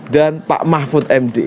dan pak mahfud md